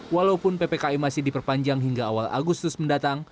walaupun ppkm masih diperpanjang hingga awal agustus mendatang